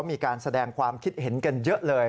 มีการแสดงความคิดเห็นกันเยอะเลย